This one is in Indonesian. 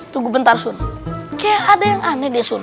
tunggu bentar sun kayak ada yang aneh di sun